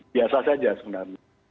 biasa saja sebenarnya